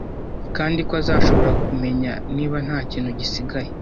kandi ko azashobora kumenya niba ntakintu gisigaye